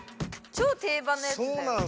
超定番のやつだよ。